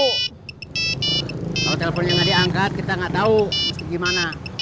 kalau telponnya nggak diangkat kita nggak tahu harus ke gimana